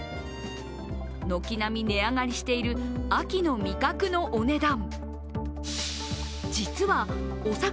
軒並み値上がりしている秋の味覚のお値段。